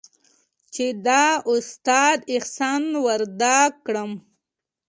چې د استاد احسان ورادا كړم.